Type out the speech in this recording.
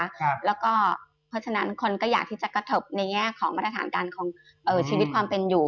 เพราะฉะนั้นคนก็อยากที่จะกระทบในแง่ของมาตรฐานการของชีวิตความเป็นอยู่